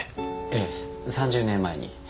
ええ３０年前に。